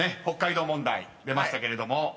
北海道問題出ましたけれども］